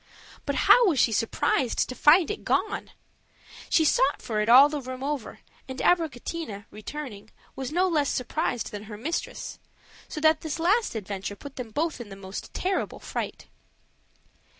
But how was she surprised to find it gone! She sought for it all the room over; and Abricotina, returning, was no less surprised than her mistress; so that this last adventure put them both in the most terrible fright.